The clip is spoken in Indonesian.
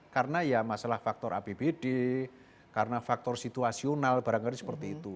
karena ya masalah faktor apbd karena faktor situasional barangkali seperti itu